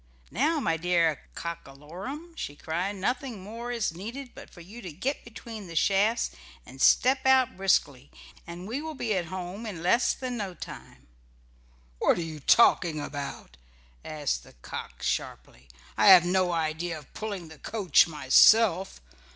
"Now, my dear Cock a lorum," she cried, "nothing more is needed but for you to get between the shafts and step out briskly, and we will be at home in less than no time." "What are you talking about?" asked the cock sharply. "I have no idea of pulling the coach myself.